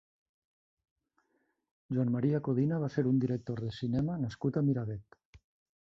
Joan Maria Codina va ser un director de cinema nascut a Miravet.